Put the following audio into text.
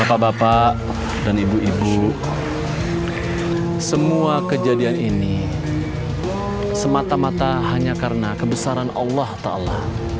bapak bapak dan ibu ibu semua kejadian ini semata mata hanya karena kebesaran allah ⁇ taala ⁇